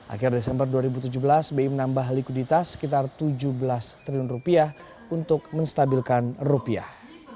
akhir desember dua ribu tujuh belas bi menambah likuiditas sekitar tujuh belas triliun rupiah untuk menstabilkan rupiah